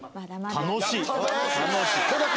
楽しい。